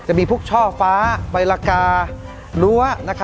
จะมีพวกช่อฟ้าใบละการั้ว